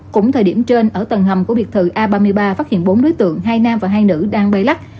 cũng thời điểm trên ở tầng hầm của biệt thự a ba mươi ba phát hiện bốn đối tượng hai nam và hai nữ đang bay lắc